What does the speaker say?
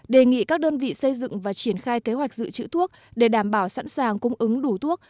đề nghị các đơn vị xây dựng và triển khai kế hoạch dự trữ thuốc để đảm bảo sẵn sàng cung ứng đủ thuốc